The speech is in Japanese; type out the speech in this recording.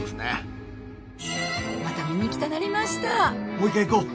もう一回行こう。